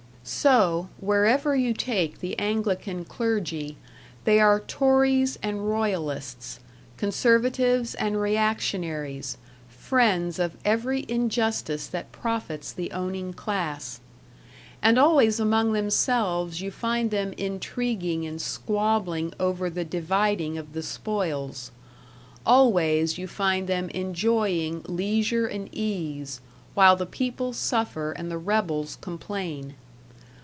So, wherever you take the Anglican clergy, they are Tories and Royalists, conservatives and reactionaries, friends of every injustice that profits the owning class. And always among themselves you find them intriguing and squabbling over the dividing of the spoils; always you find them enjoying leisure and ease, while the people suffer and the rebels complain.